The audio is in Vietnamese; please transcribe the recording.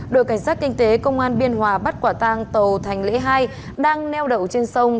đội cảnh sát kinh tế công an biên hòa bắt quả tang tàu thành lễ hai đang neo đậu trên sông